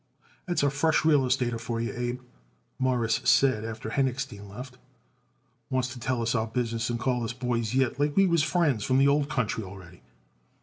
"That's a fresh real estater for you, Abe," Morris said after Henochstein left. "Wants to tell it us our business and calls us boys yet, like we was friends from the old country already."